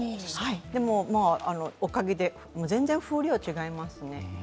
でも、おかげで全然風量は違いますね。